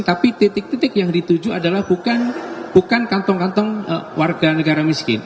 tapi titik titik yang dituju adalah bukan kantong kantong warga negara miskin